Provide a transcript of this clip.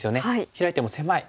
ヒラいても狭い。